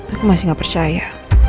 aku masih gak percaya